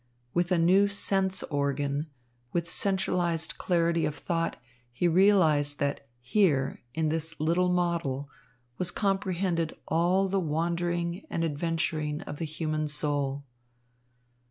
With a new sense organ, with centralised clarity of thought, he realised that here, in this little model, was comprehended all the wandering and adventuring of the human soul.